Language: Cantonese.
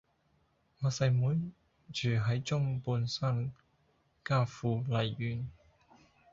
我細妹住喺中半山嘉富麗苑